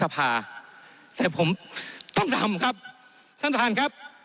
๓แผลเอาไปเลยครับ